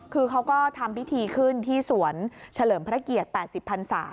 คือเขาก็ทำพิธีขึ้นที่สวนเฉลิมพระเกียรติ๘๐พันศา